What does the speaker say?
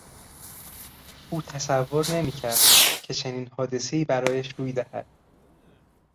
او تصور نمیکرد که چنین حادثهای برایش روی دهد.